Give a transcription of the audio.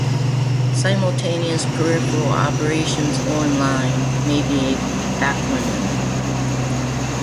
"Simultaneous peripheral operations on-line" may be a backronym.